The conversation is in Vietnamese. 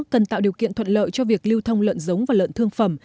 cần tạo điều kiện thuận lợi cho việc lưu thông lợn giống và lợn thương phẩm